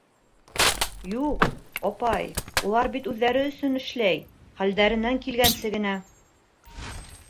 Юҡ, апай, улар бит үҙҙәре өсөн эшләй, хәлдәренән килгәнсе генә.